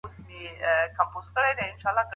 عبدالرازق هېښ عبيدالله ځګرخون